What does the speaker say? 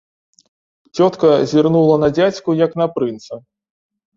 Цётка зірнула на дзядзьку, як на прынца.